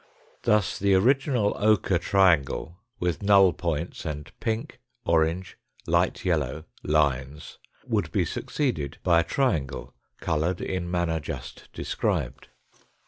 Thus the original ochre triangle, with null points and pink, orange, light yellow lines, would be succeeded by a triangle coloured in manner just described.